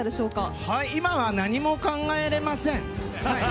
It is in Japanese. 今は何も考えれません。